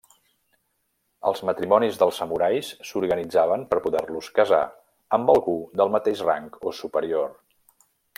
Els matrimonis dels samurais s'organitzaven per poder-los casar amb algú del mateix rang o superior.